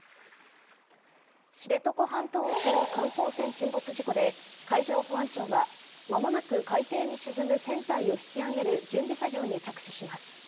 知床半島沖の観光船沈没事故で海上保安庁は間もなく海底に沈む船体を引き揚げる準備作業に着手します。